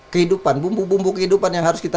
kehidupan bumbu bumbu kehidupan yang harus kita